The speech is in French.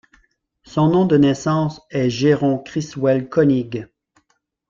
Son nom de naissance est Jeron Criswell Konig.